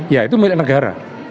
ya itu milik negara